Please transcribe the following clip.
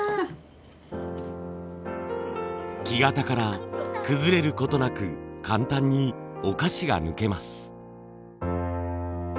木型から崩れることなく簡単にお菓子が抜けます。